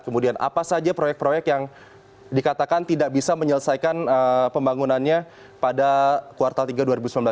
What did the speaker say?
kemudian apa saja proyek proyek yang dikatakan tidak bisa menyelesaikan pembangunannya pada kuartal tiga dua ribu sembilan belas